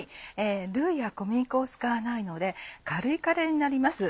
ルーや小麦粉を使わないので軽いカレーになります